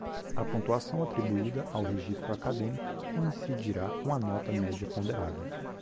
A pontuação atribuída ao registro acadêmico coincidirá com a nota média ponderada.